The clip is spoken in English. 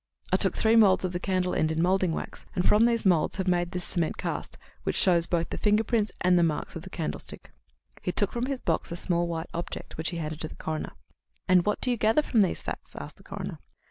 I took three moulds of the candle end in moulding wax, and from these moulds have made this cement cast, which shows both the fingerprints and the marks of the candlestick." He took from his box a small white object, which he handed to the coroner. "And what do you gather from these facts?" asked the coroner.